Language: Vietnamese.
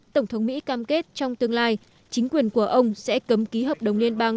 tổng thống mỹ cam kết trong tương lai chính quyền của ông sẽ cấm ký hợp đồng liên bang